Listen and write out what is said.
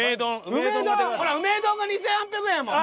ほらうめぇ丼が２，８００円やもん。